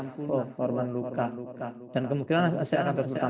hanya anak anak satu orang wanita dan lebih dari satu ratus enam puluh orang luka